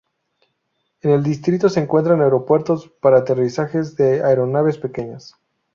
En el distrito se encuentran aeropuertos para aterrizajes de aeronaves pequeñas.